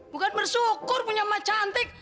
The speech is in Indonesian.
bukan bersyukur punya mak cantik